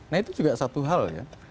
nah itu juga satu hal ya